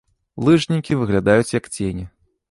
Лыжнікі выглядаюць як цені.